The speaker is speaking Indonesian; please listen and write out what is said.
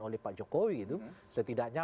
oleh pak jokowi itu setidaknya